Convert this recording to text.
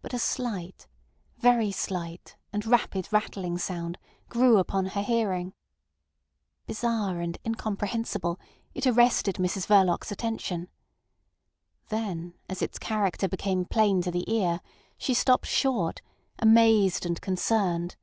But a slight, very slight, and rapid rattling sound grew upon her hearing. Bizarre and incomprehensible, it arrested Mrs Verloc's attention. Then as its character became plain to the ear she stopped short, amazed and concerned.